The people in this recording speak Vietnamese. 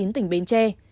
tỉnh bến tre